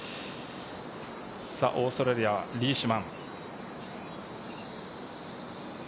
オーストラリアはリーシュマン。